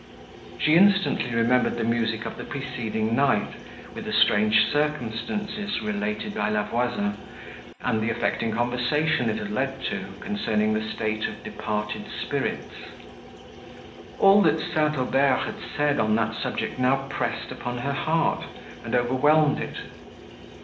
She instantly remembered the music of the preceding night, with the strange circumstances, related by La Voisin, and the affecting conversation it had led to, concerning the state of departed spirits. All that St. Aubert had said, on that subject, now pressed upon her heart, and overwhelmed it.